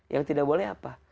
yang tidak boleh apa